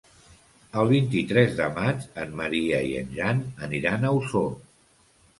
El vint-i-tres de maig en Maria i en Jan aniran a Osor.